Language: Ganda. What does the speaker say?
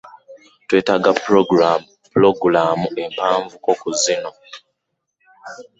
Twetaaga pulogulaamu empanvuko ku kino.